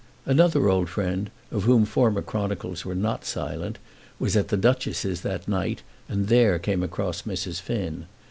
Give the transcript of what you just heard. Another old friend, of whom former chronicles were not silent, was at the Duchess's that night, and there came across Mrs. Finn.